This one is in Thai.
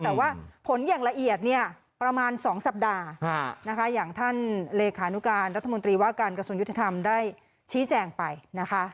แต่ว่าผลอย่างละเอียดเนี่ยประมาณ๒สัปดาห์นะคะอย่างท่านเลขานุการรัฐมนตรีว่าการกระทรวงยุติธรรมได้ชี้แจงไปนะคะ